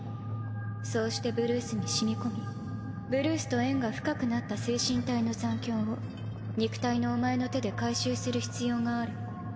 そうしてブルースに染み込みブルースと縁が深くなった精神体の残響を肉体のお前の手で回収する必要がある。